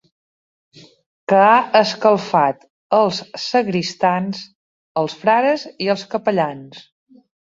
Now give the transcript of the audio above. ...que ha escalfat els sagristans, els frares i els capellans.